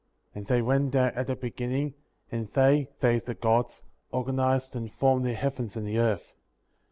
And they went down at the beginning, and they, that is the Gods, organized and formed the heavens and the earth.